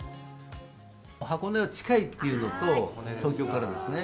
箱根は近いっていうのと、東京からですね。